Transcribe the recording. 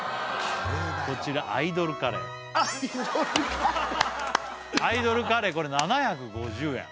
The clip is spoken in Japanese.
こちらアイドルカレーアイドルカレーアイドルカレーこれ７５０円